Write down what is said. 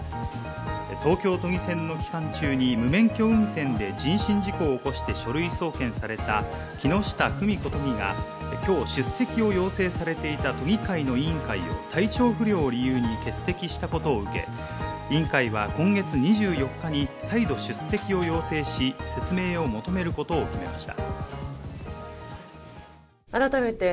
東京都議選の期間中に無免許運転で人身事故を起こして書類送検された木下富美子都議が今日出席を要請されていた都議会の委員会を体調不良を理由に欠席したことを受け、委員会は今月２４日に再度出席を要請し、説明を求めることを決めました。